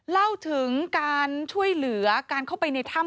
เล่าถึงการช่วยเหลือการเข้าไปในถ้ำ